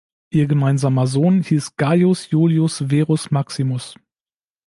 Ihr gemeinsamer Sohn hieß Gaius Iulius Verus Maximus.